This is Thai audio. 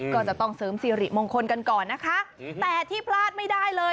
ก็จะต้องเสริมสิริมงคลกันก่อนนะคะแต่ที่พลาดไม่ได้เลย